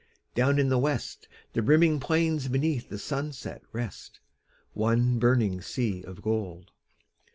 Down in the west The brimming plains beneath the sunset rest, One burning sea of gold.